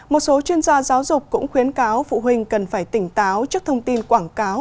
một số chuyên gia giáo dục cũng khuyến cáo phụ huynh cần phải tỉnh táo trước thông tin quảng cáo